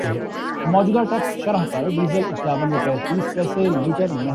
دلچسپ جملے چست کرنا ان کامحبوب مشغلہ ہے